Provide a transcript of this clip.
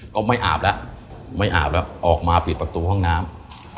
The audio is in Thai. ไม่อาบแล้วไม่อาบแล้วออกมาปิดประตูห้องน้ำ